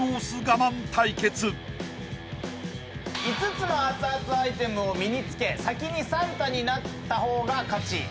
５つの熱々アイテムを身に着け先にサンタになった方が勝ち。